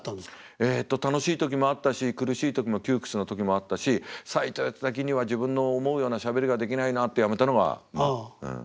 えっと楽しい時もあったし苦しい時も窮屈な時もあったし最後やってた時には自分の思うようなしゃべりができないなってやめたのがまあうん。